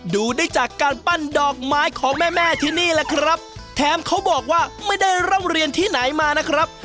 ดูได้จากการปั้นดอกไม้ของแม่แม่ที่นี่แหละครับแถมเขาบอกว่าไม่ได้ร่ำเรียนที่ไหนมานะครับ